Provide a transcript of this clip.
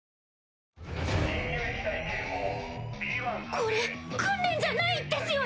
これ訓練じゃないですよね？